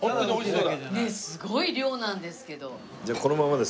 すごい量なんですけど。